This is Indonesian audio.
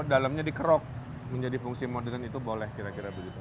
dalamnya dikerok menjadi fungsi modern itu boleh kira kira begitu